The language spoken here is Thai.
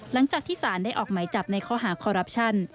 หลังจากที่สารได้ออกหมายจับในข้อหาคอรัปชั่น